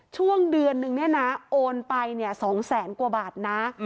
ช่วงเดือนนึงเนี่ยนะโอนไป๒แสนกว่าบาทนะ